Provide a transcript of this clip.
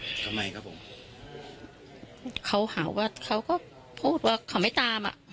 ทำไมครับผมเขาหาว่าเขาก็พูดว่าเขาไม่ตามอ่ะ